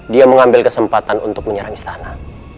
dia mengambil kesempatan untuk menyerang istana